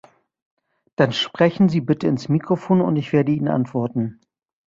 Dann sprechen Sie bitte ins Mikrofon und ich werde Ihnen antworten.